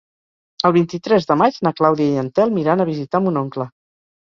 El vint-i-tres de maig na Clàudia i en Telm iran a visitar mon oncle.